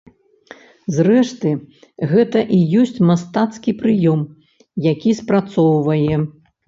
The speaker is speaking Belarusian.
Зрэшты, гэта і ёсць мастацкі прыём, які спрацоўвае.